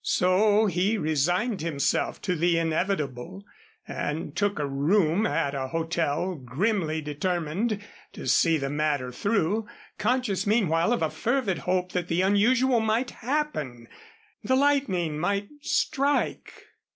So he resigned himself to the inevitable, and took a room at a hotel, grimly determined to see the matter through, conscious meanwhile of a fervid hope that the unusual might happen the lightning might strike.